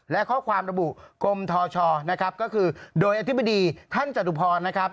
และข้อความระบุกรมทชนะครับก็คือโดยอธิบดีท่านจตุพรนะครับ